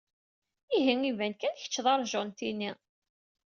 Ihi iban kan kecc d aṛjentini.